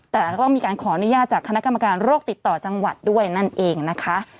แต่ก็ต้องมีการขออนุญาตจากคณะกรรมการโรคติดต่อจังหวัดด้วยนั่นเองนะคะ